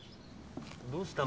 どうした？